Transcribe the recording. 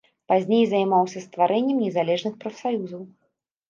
Пазней займаўся стварэннем незалежных прафсаюзаў.